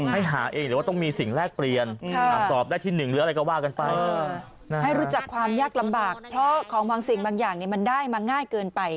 ให้หาเองหรือว่าต้องมีสิ่งแรกเปลี่ยนสอบได้ที่หนึ่งหรืออะไรก็ว่ากันไป